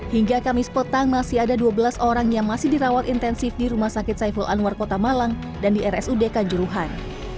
hingga kamis petang masih ada dua belas orang yang masih dirawat intensif di rumah sakit saiful anwar kota malang dan di rsud kanjuruhan